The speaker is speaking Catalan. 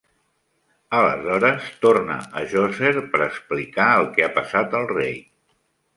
Aleshores, torna a Djoser per explicar el que ha passat al rei.